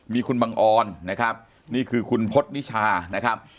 มีคุณบังออนนะครับนี่คือคุณพฤษนิชานะครับ